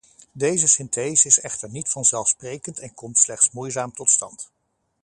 Deze synthese is echter niet vanzelfsprekend en komt slechts moeizaam tot stand.